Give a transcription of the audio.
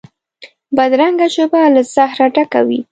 بدرنګه ژبه له زهره ډکه وي